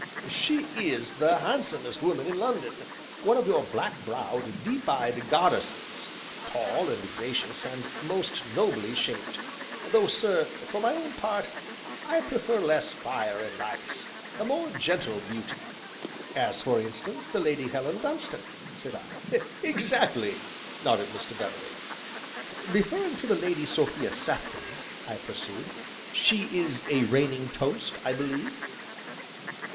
"She is the handsomest woman in London, one of your black browed, deep eyed goddesses, tall, and gracious, and most nobly shaped; though, sir, for my own part, I prefer less fire and ice and more gentle beauty." "As, for instance, the Lady Helen Dunstan?" said I. "Exactly!" nodded Mr. Beverley. "Referring to the Lady Sophia Sefton," I pursued, "she is a reigning toast, I believe?"